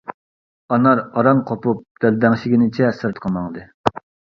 ئانار ئاران قوپۇپ دەلدەڭشىگىنىچە سىرتقا ماڭدى.